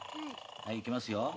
はいいきますよ。